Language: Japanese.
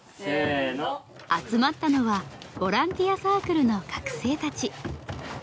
集まったのはボランティアサークルの学生たち。